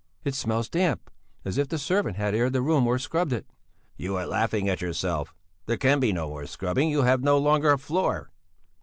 "It smells damp, as if the servant had aired the room or scrubbed it." "You are laughing at yourself! There can be no more scrubbing, you have no longer a floor."